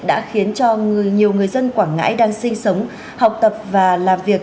đã khiến cho nhiều người dân quảng ngãi đang sinh sống học tập và làm việc